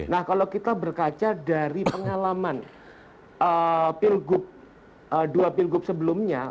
nah kalau kita berkaca dari pengalaman dua pilgub sebelumnya